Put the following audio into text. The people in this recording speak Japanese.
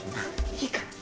いいから！